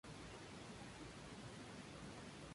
Ciudadano de Ginebra, fue consejero federal radical.